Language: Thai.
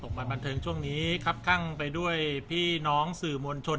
วันบันเทิงช่วงนี้ครับข้างไปด้วยพี่น้องสื่อมวลชน